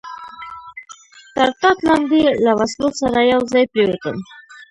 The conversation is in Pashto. تر ټاټ لاندې له وسلو سره یو ځای پرېوتم.